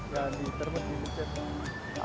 di termus di pencet